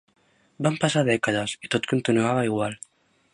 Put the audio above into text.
Van passar dècades i tot continuava igual.